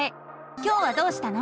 今日はどうしたの？